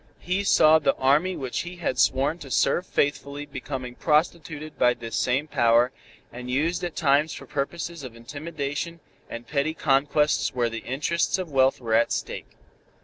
He saw the Army which he had sworn to serve faithfully becoming prostituted by this same power, and used at times for purposes of intimidation and petty conquests where the interests of wealth were at stake.